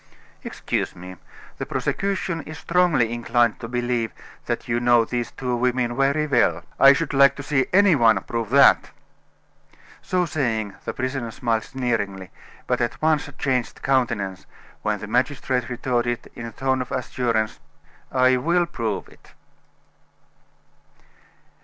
"Excuse me. The prosecution is strongly inclined to believe that you know these two women very well." "I should like to see any one prove that!" So saying, the prisoner smiled sneeringly, but at once changed countenance when the magistrate retorted in a tone of assurance: "I will prove it."